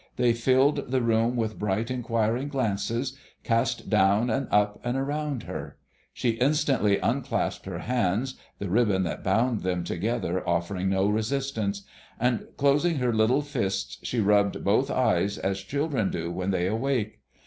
They filled the room with bright inquiring glances cast down and up and around her. She instantly unclasped her hands, the ribbon that bound them together offering no resistance; and closing her little fists, she rubbed both eyes as children do when they awake.